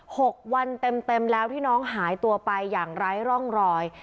หกวันเต็มเต็มแล้วที่น้องหายตัวไปอย่างไร้ร่องรอย